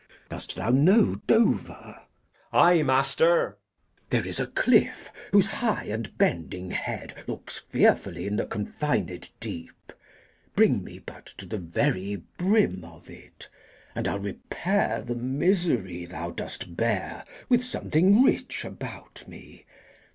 Dost thou know Dover? Edg. Ay, master. Glou. There is a cliff, whose high and bending head Looks fearfully in the confined deep. Bring me but to the very brim of it, And I'll repair the misery thou dost bear With something rich about me.